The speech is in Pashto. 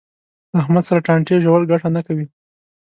له احمد سره ټانټې ژول ګټه نه کوي.